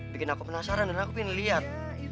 bikin aku penasaran dan aku pengen liat